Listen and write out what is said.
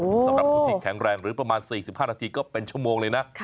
สำหรับผู้ที่แข็งแรงหรือประมาณ๔๕นาทีก็เป็นชั่วโมงเลยนะ